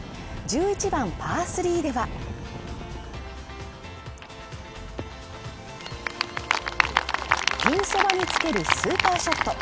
１１番パー３では人生につけるスーパーショット